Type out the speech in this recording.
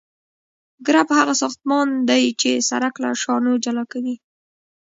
کرب هغه ساختمان دی چې سرک له شانو جلا کوي